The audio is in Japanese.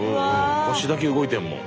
腰だけ動いてるもん。